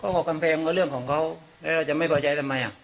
ก็ก็กำแพงว่าเรื่องของเขาแล้วเราจะไม่พอใจทำไมอ่ะ